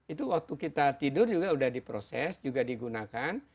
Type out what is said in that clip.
itu waktu kita tidur juga sudah diproses juga digunakan